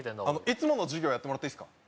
いつもの授業やってもらっていいっすか？